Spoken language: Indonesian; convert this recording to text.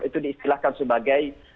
itu diistilahkan sebagai